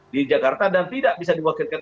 di jakarta dan tidak bisa diwakilkan